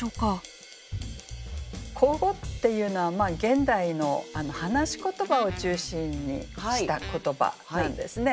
口語っていうのは現代の話し言葉を中心にした言葉なんですね。